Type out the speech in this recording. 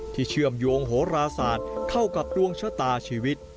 เชื่อมโยงโหราศาสตร์เข้ากับดวงชะตาชีวิต